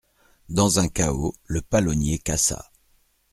Dans un cahot le palonnier cassa.